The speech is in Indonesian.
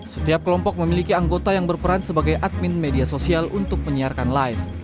setiap kelompok memiliki anggota yang berperan sebagai admin media sosial untuk menyiarkan live